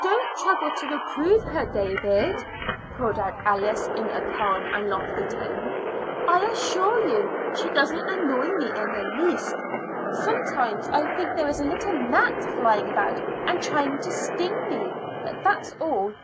"Don't trouble to reprove her, David," called out Alice in a calm and lofty tone. "I assure you she doesn't annoy me in the least. Sometimes I think there is a little gnat flying about and trying to sting me, but that's all."